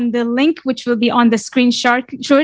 di link yang akan diberikan di layar